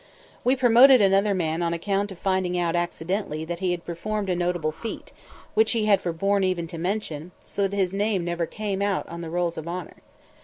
We promoted another man on account of finding out accidentally that he had performed a notable feat, which he had forborne even to mention, so that his name never came on the roll of honor.